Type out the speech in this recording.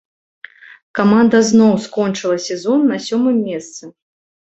Каманда зноў скончыла сезон на сёмым месцы.